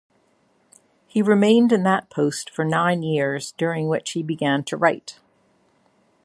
He remained in that post for nine years, during which he began to write.